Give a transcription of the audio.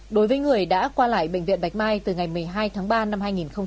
đối với người đã qua lại bệnh viện bạch mai từ ngày một mươi hai tháng ba năm hai nghìn hai mươi